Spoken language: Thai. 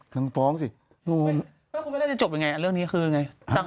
เฮ้ยพระคุณพ่ายแล้วจะจบอย่างไรเรื่องนี้คืออย่างไร